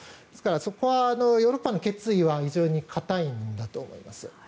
そこはヨーロッパの決意は非常に硬いんだと思います。